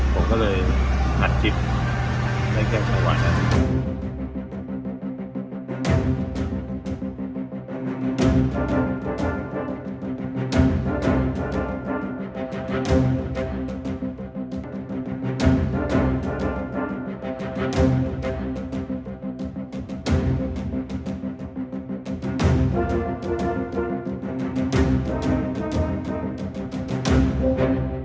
ผมก็เลยหัดจิตในแข่งชาวันนะครับ